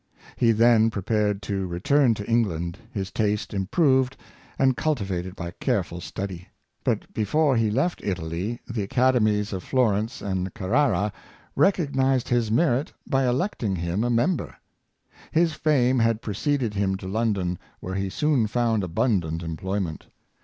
He then prepared to return to England, his taste improved and cultivated by careful study; but before he left Italy the Academies of Flor ence and Carrara recognized his merit by electing him a member. His fame had preceded him to London, where he soon found abundant employment.